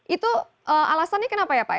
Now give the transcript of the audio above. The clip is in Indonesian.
itu alasannya kenapa ya pak